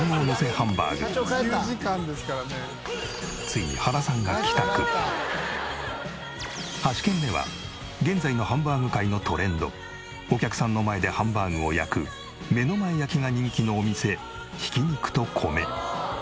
ついに８軒目は現在のハンバーグ界のトレンドお客さんの前でハンバーグを焼く目の前焼きが人気のお店挽肉と米。